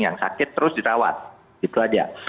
yang sakit terus dirawat itu aja